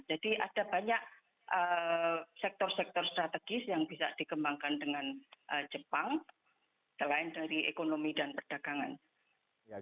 jadi ada banyak sektor sektor strategis yang bisa dikembangkan dengan jepang selain dari ekonomi dan perdagangan